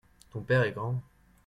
ton père est grand.